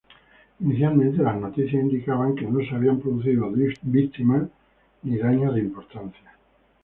Inicialmente las noticias indicaban que no se habían producido víctimas ni daños de importancia.